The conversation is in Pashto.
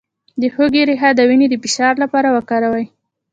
د هوږې ریښه د وینې د فشار لپاره وکاروئ